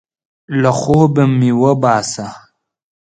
له خوبه مې مه باسه!